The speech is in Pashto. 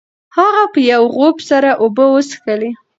هغه په یو غوپ سره اوبه وڅښلې.